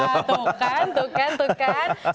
tuh kan tuh kan tuh kan